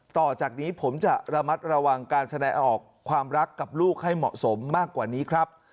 ต่อจากนี้ผมจะระมัดระวังการแสดงออกความรักกับลูกให้เหมาะสมมากกว่านี้ครับ